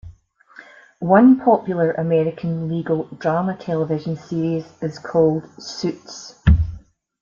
One popular American legal drama television series is called Suits.